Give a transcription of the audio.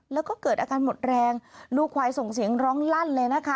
แล้วก็เกิดอาการหมดแรงลูกควายส่งเสียงร้องลั่นเลยนะคะ